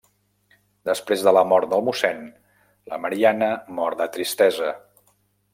Després de la mort del mossèn, la Mariana mor de tristesa.